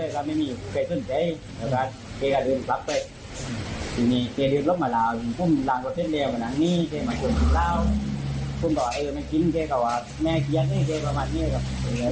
ครับแต่เขาบอกเรื่องเงียบเงียบ